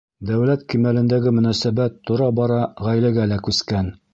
Дәүләт кимәлендәге мөнәсәбәт тора-бара ғаиләгә лә күскән.